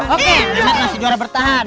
oke limat masih juara bertahan